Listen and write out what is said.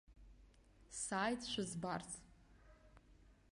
Сааит шәызбарц!